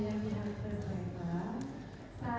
masih di indonesia ya